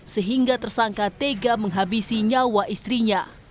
sehingga tersangka tega menghabisi nyawa istrinya